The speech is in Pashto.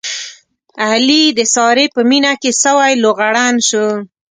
علي د سارې په مینه کې سوی لوغړن شو.